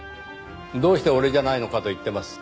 どうして俺じゃないのかと言ってます。